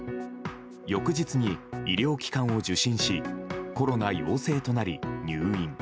翌日に医療機関を受診しコロナ陽性となり入院。